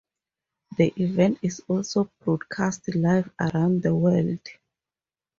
The event is also broadcast live around the World.